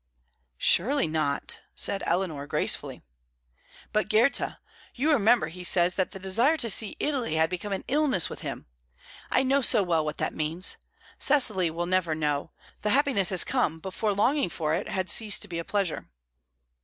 "Surely not," said Eleanor, gracefully. "But Goethe you remember he says that the desire to see Italy had become an illness with him. I know so well what that means. Cecily will never know; the happiness has come before longing for it had ceased to be a pleasure."